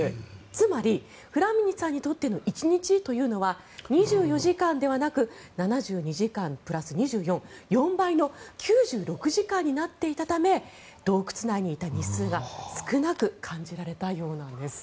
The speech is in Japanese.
つまり、フラミニさんにとっての１日というのは２４時間ではなく７２時間プラス２４４倍の９６時間になっていたため洞窟内にいた日数が少なく感じられたようなんです。